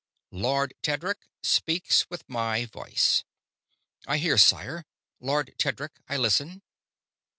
"Lord Tedric speaks with my voice." "I hear, sire. Lord Tedric, I listen."